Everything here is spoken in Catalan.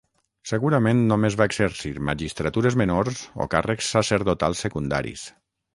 Segurament només va exercir magistratures menors o càrrecs sacerdotals secundaris.